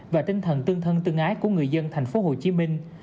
và tinh thần tương thân tương ái của người dân thành phố hồ chí minh